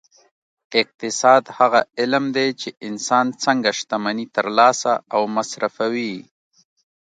اقتصاد هغه علم دی چې انسان څنګه شتمني ترلاسه او مصرفوي